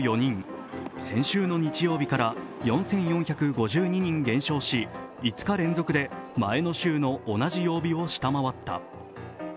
先週の日曜日から４４５２人減少し５日連続で前の週の同じ曜日を下回った。